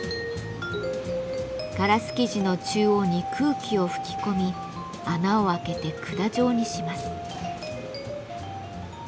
ガラス素地の中央に空気を吹き込み穴を開けて管状にします。